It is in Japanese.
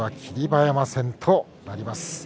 馬山戦となります。